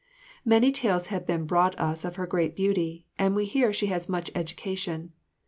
Many tales have been brought us of her great beauty, and we hear she has much education.